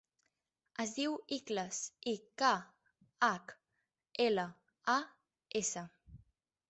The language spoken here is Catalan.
Es diu Ikhlas: i, ca, hac, ela, a, essa.